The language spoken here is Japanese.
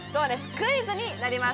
クイズになります